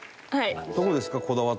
どこですか？